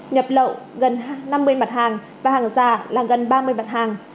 nhập lậu gần năm mươi mặt hàng và hàng giả là gần ba mươi mặt hàng